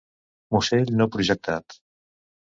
Musell no projectat.